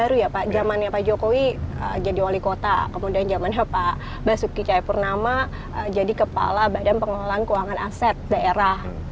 ya baru ya pak jaman ya pak jokowi jadi wali kota kemudian jaman ya pak basuki cayapurnama jadi kepala badan pengelolaan keuangan aset daerah